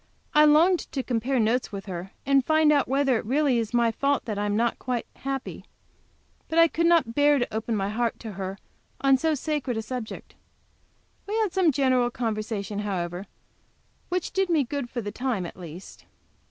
I longed to compare notes with her, and find out whether it really is my fault that I am not quite happy. But I could not bear to open my heart to her on so sacred a subject. We had some general conversation, however, which did me good for the time, at least.